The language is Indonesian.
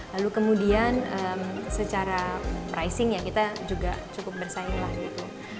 lalu kemudian secara pricing ya kita juga cukup bersaing lah gitu